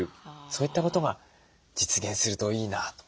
そういったことが実現するといいなと。